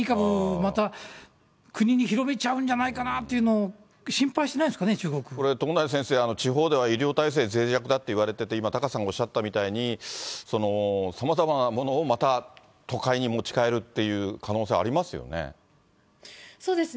また、国広めちゃうんじゃないかなっていうのを心配しないんですかね、友成先生、地方では医療体制ぜい弱だっていわれてて、今、タカさんがおっしゃったみたいに、さまざまなものをまた都会に持ち帰るっていう可能性ありますよね。